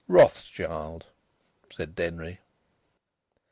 "Rothschild," said Denry.